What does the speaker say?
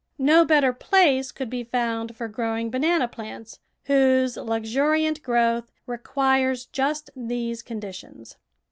No better place could be found for growing banana plants, whose luxuriant growth requires just these conditions.